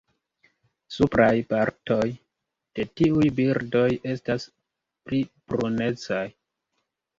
Supraj partoj de tiuj birdoj estas pli brunecaj.